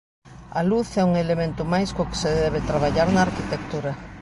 A luz é un elemento máis co que se debe traballar na arquitectura.